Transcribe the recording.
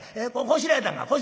こしらえたんか？